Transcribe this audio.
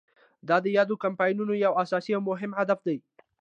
دا د یادو کمپاینونو یو اساسي او مهم هدف دی.